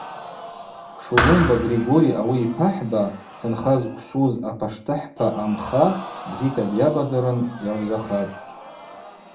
Шулумба Григорий ауи йпахӏба, тынха зквшвуз апаштыхӏпа Амха бзита дйабадырын йагӏвзахатӏ.